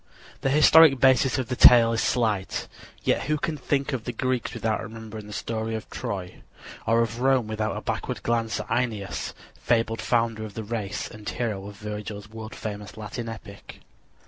The historic basis of the tales is slight; yet who can think of the Greeks without remembering the story of Troy, or of Rome without a backward glance at Æneas, fabled founder of the race and hero of Virgil's world famous Latin epic?